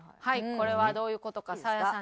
これはどういう事かサーヤさん